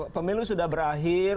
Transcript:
pemilu sudah berakhir